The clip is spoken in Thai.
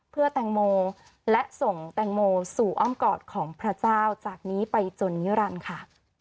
เพื่อแตงโมและส่งแตงโมสู่อ้อมกอดของพระเจ้าจากนี้ไปจนนิรันดิ์ค่ะ